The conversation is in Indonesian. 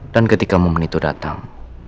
dan ketika momen itu datang